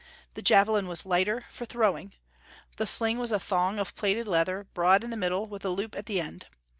The javelin was lighter, for throwing. The sling was a thong of plaited leather, broad in the middle, with a loop at the end.